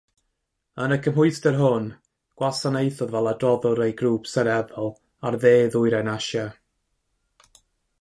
Yn y cymhwyster hwn, gwasanaethodd fel adroddwr ei grŵp seneddol ar Dde-ddwyrain Asia.